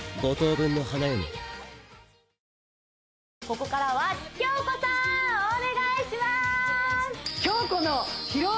ここからは京子さんお願いしまーす！